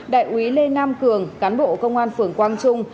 đại úy lê nam cường cán bộ công an phường quang trung